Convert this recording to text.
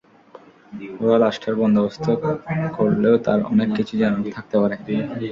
ওরা লাশটার বন্দোবস্ত করলেও তার অনেক কিছু জানার থাকতে পারে।